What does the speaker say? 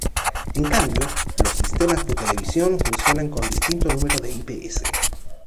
En cambio, los sistemas de televisión funcionan con distinto número de ips.